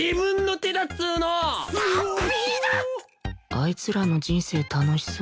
あいつらの人生楽しそ